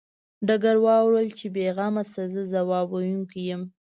ډګروال وویل چې بې غمه شه زه ځواب ویونکی یم